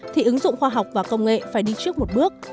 thì ứng dụng khoa học và công nghệ phải đi trước một bước